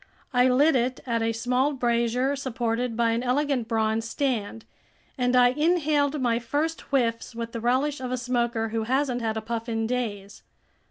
I lit it at a small brazier supported by an elegant bronze stand, and I inhaled my first whiffs with the relish of a smoker who hasn't had a puff in days.